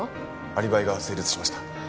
アリバイが成立しました。